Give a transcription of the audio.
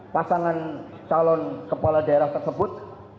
pasangan calon kepala daerah tersebut